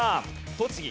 栃木